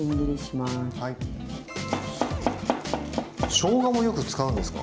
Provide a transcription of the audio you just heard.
しょうがもよく使うんですか？